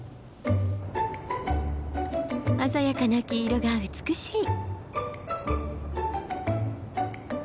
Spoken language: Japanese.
鮮やかな黄色が美しい。